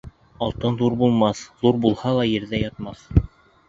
Алтын ҙур булмаҫ, ҙур булһа ла ерҙә ятмаҫ.